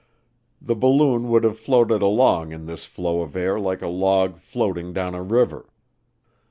The balloon would have floated along in this flow of air like a log floating down a river.